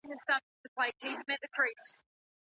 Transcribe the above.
جوماتونه بې لمونځ کوونکو نه وي.